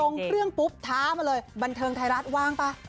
เครื่องปุ๊บท้ามาเลยบันเทิงไทยรัฐว่างป่ะ